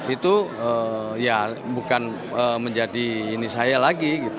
itu bukan menjadi ini saya lagi